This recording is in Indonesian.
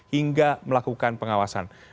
hingga melakukan pengawasan